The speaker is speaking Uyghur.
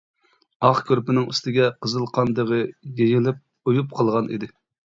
ئاق كۆرپىنىڭ ئۈستىگە قىزىل قان دېغى يېيىلىپ ئۇيۇپ قالغانىدى.